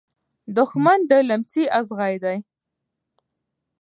دښمن د لمڅی ازغي دی .